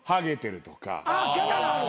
キャラがある。